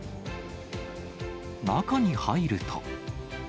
中に入ると。